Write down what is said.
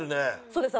そうです。